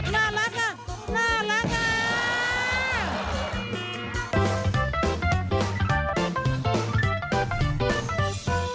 น้ำลาดน้ำน้ำลาดน้ำ